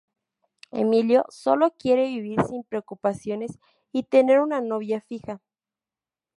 Emilio solo quiere vivir sin preocupaciones y tener una novia fija.